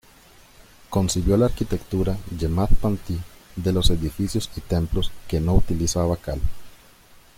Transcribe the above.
Concibió la arquitectura jemad-panthi de los edificios y templos, que no utilizaba cal.